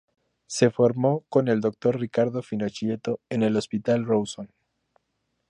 Se formó con el Dr. Ricardo Finochietto en el Hospital Rawson.